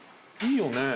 いいよね？